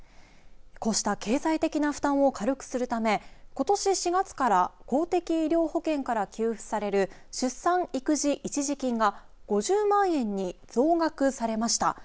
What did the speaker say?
こうした経済的な負担を軽くするためことし４月から公的医療保険から給付される出産育児一時金が５０万円に増額されました。